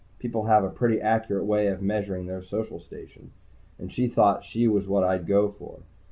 People have a pretty accurate way of measuring their social station. And she thought she was what I'd go for.